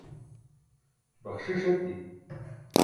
baxṣiṣ eti